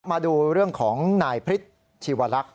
มาดูเรื่องของนายพฤษชีวลักษณ